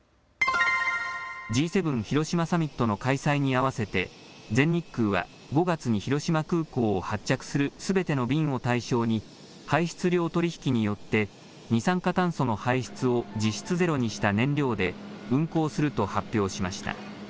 Ｇ７広島サミットの開催に合わせて全日空は５月に広島空港を発着するすべての便を対象に排出量取引によって二酸化炭素の排出を実質ゼロにした燃料で運航すると発表しました。